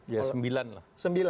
ya sembilan lah